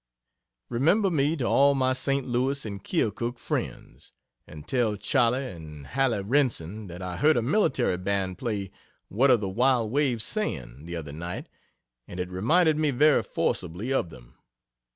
Remember me to all my St. Louis and Keokuk friends, and tell Challie and Hallie Renson that I heard a military band play "What are the Wild Waves Saying?" the other night, and it reminded me very forcibly of them.